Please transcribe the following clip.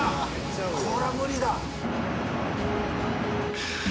これは無理だ。